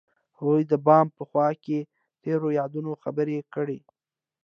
هغوی د بام په خوا کې تیرو یادونو خبرې کړې.